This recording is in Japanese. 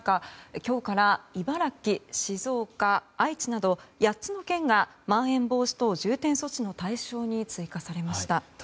今日から茨城、静岡、愛知など８つの県がまん延防止等重点措置の対象に追加されました。